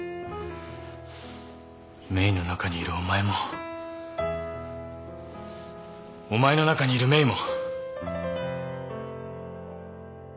メイの中にいるお前もお前の中にいるメイも。